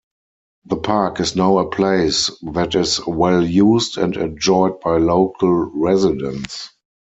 The park is now a place that is well-used and enjoyed by local residents.